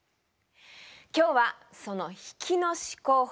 今日はその引きの思考法